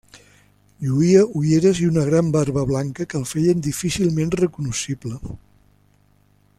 Lluïa ulleres i una gran barba blanca que el feien difícilment recognoscible.